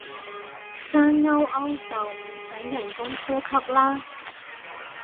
生勾勾就唔使人工呼吸啦